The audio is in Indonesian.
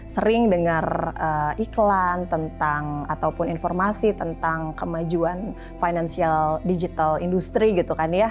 sering dengar iklan tentang ataupun informasi tentang kemajuan financial digital industry gitu kan ya